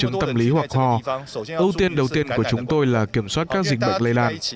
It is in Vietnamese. trong khi có nhiều triệu chứng tâm lý hoặc hò ưu tiên đầu tiên của chúng tôi là kiểm soát các dịch bệnh lây lan